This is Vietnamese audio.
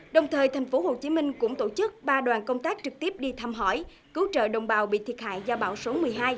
đồng thời tp hcm cũng tổ chức ba đoàn công tác trực tiếp đi thăm hỏi cứu trợ đồng bào bị thiệt hại do bão số một mươi hai